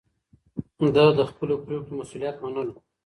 ده د خپلو پرېکړو مسووليت منلو.